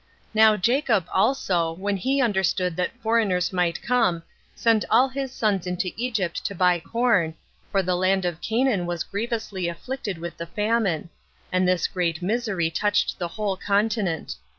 2. Now Jacob also, when he understood that foreigners might come, sent all his sons into Egypt to buy corn, for the land of Canaan was grievously afflicted with the famine; and this great misery touched the whole continent.